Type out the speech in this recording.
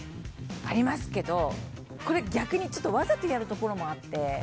ありますけど逆にわざとやるところもあって。